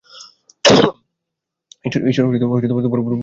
ঈশ্বর তোমার পরিবারের উপর সহায় হোক।